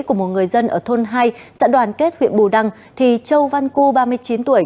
của một người dân ở thôn hai dã đoàn kết huyện bù đăng thì châu văn cư ba mươi chín tuổi